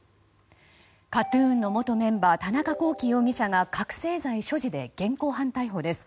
ＫＡＴ‐ＴＵＮの元メンバー田中聖容疑者が覚醒剤所持で現行犯逮捕です。